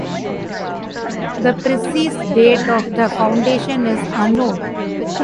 The precise date of the foundation is unknown.